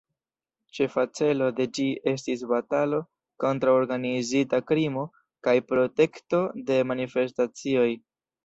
Ĉefa celo de ĝi estis batalo kontraŭ organizita krimo kaj protekto de manifestacioj.